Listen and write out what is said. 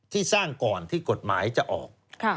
ที่สร้างก่อนที่กฎหมายจะออก